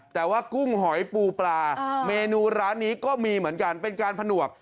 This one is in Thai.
แต่ว่ากุ้งหอยปูปลาเมนูร้านนี้ก็มีเหมือนกันเป็นการผนวก